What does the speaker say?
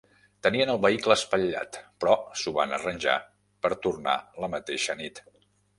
Tenien el vehicle espatllat, però s'ho van arranjar per tornar la mateixa nit.